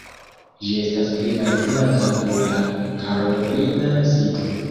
Ĝi estas pli malgranda ol la karolina sito.